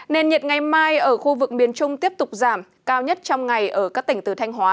nền nhiệt ngày mai ở khu vực miền trung tiếp tục giảm cao nhất trong ngày ở các tỉnh từ thanh hóa